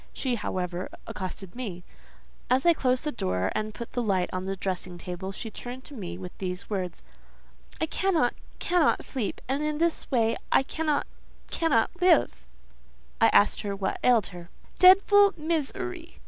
She, however, accosted me. As I closed the door, and put the light on the dressing table, she turned to me with these words:—"I cannot—cannot sleep; and in this way I cannot—cannot live!" I asked what ailed her. "Dedful miz er y!"